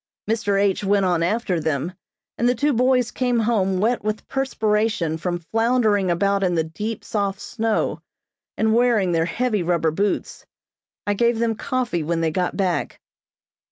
Mr. H. went on after them, and the two boys came home wet with perspiration from floundering about in the deep, soft snow, and wearing their heavy rubber boots. I gave them coffee when they got back.